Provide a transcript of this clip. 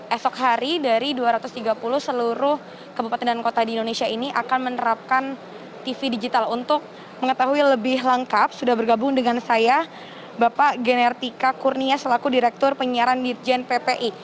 esok hari dari dua ratus tiga puluh seluruh kabupaten dan kota di indonesia ini akan menerapkan tv digital untuk mengetahui lebih lengkap sudah bergabung dengan saya bapak genertika kurnia selaku direktur penyiaran dirjen ppi